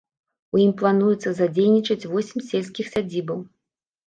У ім плануецца задзейнічаць восем сельскіх сядзібаў.